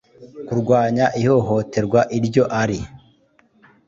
Kurwanya ihohoterwa iryo ari